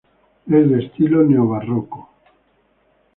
Es de estilo neobarroco.